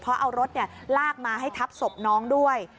เพราะเอารถลากมาให้ทับศพน้องด้วย